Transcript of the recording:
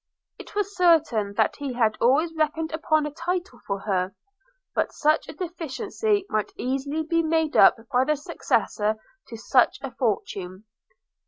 It was certain that he had always reckoned upon a title for her; but such a deficiency might easily be made up by the successor to such a fortune.